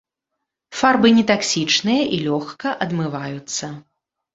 Фарбы не таксічныя і лёгка адмываюцца.